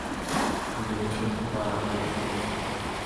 গুলি ছুড়তে পারাটাই সবকিছু না।